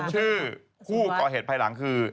ชื่อผู้ก่อเหตุภายหลังคือ